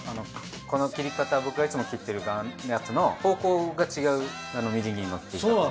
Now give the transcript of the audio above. この切り方僕がいつも切ってるやつの方向が違うみじん切りの切り方です。